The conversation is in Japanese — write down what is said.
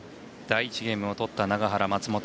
第１ゲームを取った永原、松本。